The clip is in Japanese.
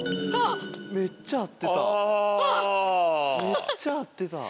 めっちゃ合ってた！